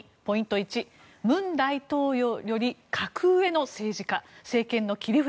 １文大統領より格上の政治家政権の切り札